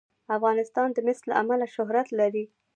افغانستان د مس له امله شهرت لري.